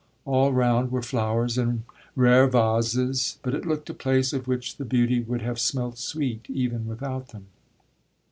All round were flowers in rare vases, but it looked a place of which the beauty would have smelt sweet even without them.